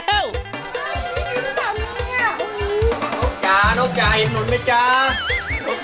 ดูจ้าหนูเนี่ย